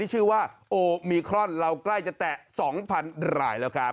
ชื่อว่าโอมิครอนเราใกล้จะแตะ๒๐๐๐รายแล้วครับ